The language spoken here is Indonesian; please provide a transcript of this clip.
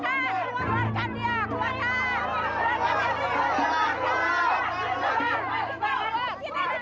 kenapa tidak nikmatkan al voyant